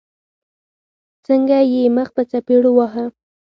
څنګه يې مخ په څپېړو واهه.